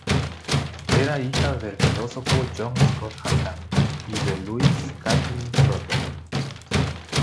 Era hija del fisiólogo John Scott Haldane y de Louisa Kathleen Trotter.